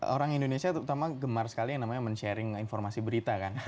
orang indonesia terutama gemar sekali yang namanya men sharing informasi berita kan